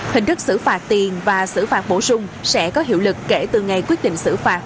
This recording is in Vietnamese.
hình thức xử phạt tiền và xử phạt bổ sung sẽ có hiệu lực kể từ ngày quyết định xử phạt